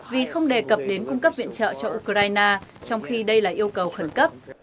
vì không đề cập đến cung cấp viện trợ cho ukraine trong khi đây là yêu cầu khẩn cấp